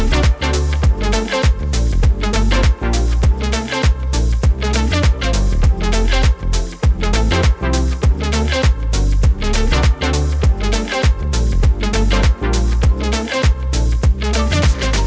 โปรดติดตามตอนต่อไป